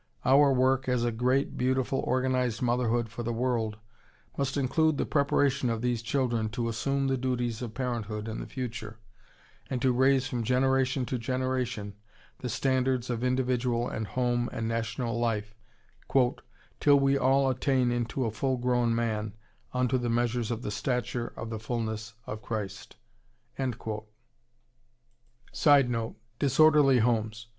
Our work as a "great, beautiful, organized motherhood for the world" must include the preparation of these children to assume the duties of parenthood in the future, and to raise from generation to generation the standards of individual and home and national life "till we all attain unto a full grown man, unto the measure of the stature of the fulness of Christ." [Sidenote: Disorderly homes.